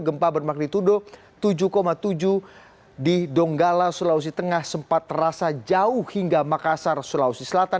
gempa bermagnitudo tujuh tujuh di donggala sulawesi tengah sempat terasa jauh hingga makassar sulawesi selatan